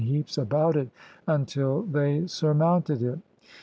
heaps about it until they surmounted it.